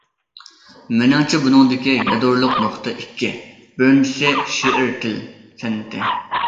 مېنىڭچە، بۇنىڭدىكى يادرولۇق نۇقتا ئىككى: بىرىنچىسى، شېئىر تىل سەنئىتى.